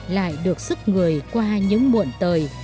lại được sức người qua những muộn tời